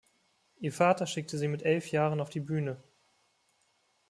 Ihr Vater schickte sie mit elf Jahren auf die Bühne.